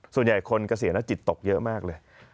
ส่วนใหญ่คนเกษียณจิตตกเยอะมากเลย